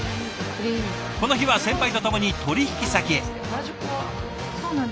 この日は先輩とともに取引先へ。